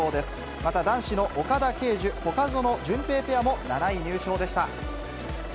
また、男子の岡田奎樹・外薗潤平ペアも７位入賞でした。